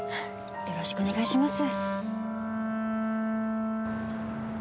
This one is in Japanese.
よろしくお願いします。